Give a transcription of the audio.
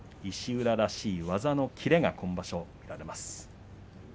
石浦らしい技の切れが今場所見られます。